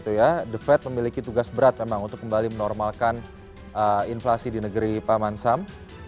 the fed memiliki tugas berat memang untuk kembali menormalkan inflasi di negeri paman sam